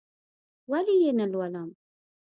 ولې یې نه لولم؟!